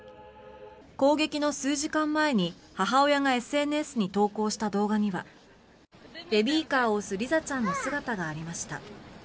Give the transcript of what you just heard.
攻撃の数時間前に母親がＳＮＳに投稿した動画にはベビーカーを押すリザちゃんの姿がありました。